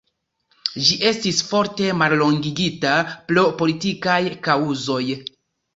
Ĝi estis forte mallongigita pro politikaj kaŭzoj.